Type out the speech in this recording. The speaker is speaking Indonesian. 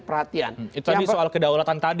perhatian itu tadi soal kedaulatan tadi